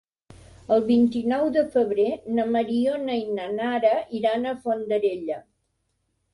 El vint-i-nou de febrer na Mariona i na Nara iran a Fondarella.